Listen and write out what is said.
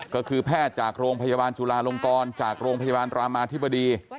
ก็คือแพทย์จากโรงพยาบาลจุลาลงกรจากโรงพยาบาลรามาธิบดี